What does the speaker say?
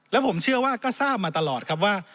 และผมเชื่อว่าก็ทราบมาตลอดครับว่า